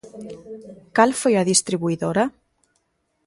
Cal foi a distribuidora?